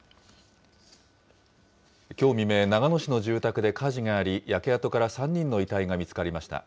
きょう未明、長野市の住宅で火事があり、焼け跡から３人の遺体が見つかりました。